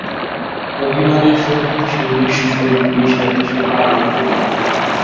অভিমানের সহিত সেই নিষ্ঠুর নিষেধ সে পালন করিল।